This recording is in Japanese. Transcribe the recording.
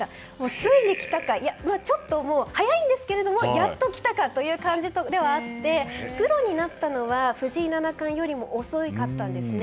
ついに来たか、ちょっともう早いんですけれどもやっと来たかという感じではあってプロになったのは藤井七冠よりも遅かったんですね。